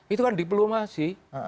itu kan diplomasi